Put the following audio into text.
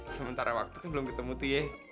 sementara waktu itu belum ketemu tuh ya